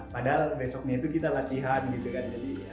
padahal besoknya itu kita latihan gitu kan